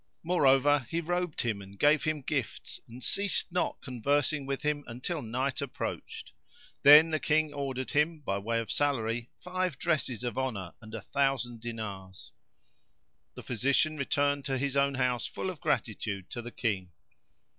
Moreover he robed him and gave him gifts, and ceased not conversing with him until night approached. Then the King ordered him, by way of salary, five dresses of honour and a thousand dinars.[FN#84] The physician returned to his own house full of gratitude to the King.